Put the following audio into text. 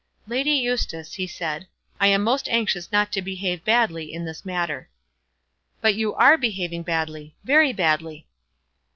"Lady Eustace," he said, "I am most anxious not to behave badly in this matter." "But you are behaving badly, very badly."